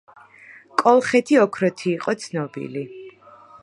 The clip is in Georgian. კოლხეთი ოქროთი იყო ცნობილი